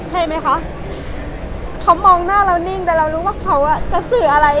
ใช่ไหมคะเขามองหน้าเรานิ่งแต่เรารู้ว่าเขาจะสื่ออะไร